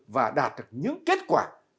và đạt được những kết quả